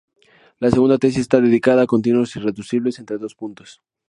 La segunda tesis está dedicada a continuos irreducibles entre dos puntos.